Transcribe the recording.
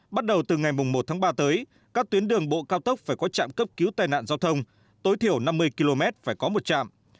bắt đầu từ ngày một tháng ba tới các tuyến đường bộ cao tốc phải có trạm cấp cứu tai nạn giao thông tối thiểu năm mươi km phải có một trạm